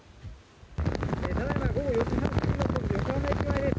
ただいま午後４時半過ぎの横浜駅前です。